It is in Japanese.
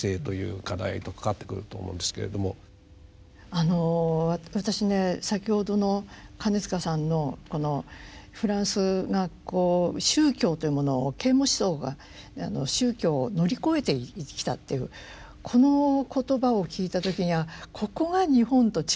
あの私ね先ほどの金塚さんのこのフランスがこう宗教というものを啓蒙思想が宗教を乗り越えてきたというこの言葉を聞いた時に「ああここが日本と違うんだ」